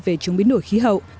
về chống biến đổi khí hậu